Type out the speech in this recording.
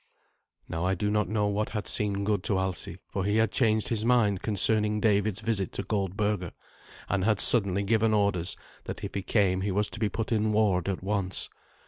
Now I do not know what had seemed good to Alsi, for he had changed his mind concerning David's visit to Goldberga, and had suddenly given orders that if he came he was to be put in ward at once.